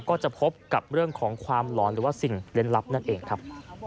ก็จะพบกับเรื่องของความหลอนหรือว่าสิ่งเล่นลับนั่นเองครับ